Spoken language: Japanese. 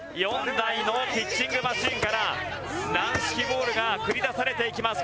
４台のピッチングマシンから軟式ボールが繰り出されていきます。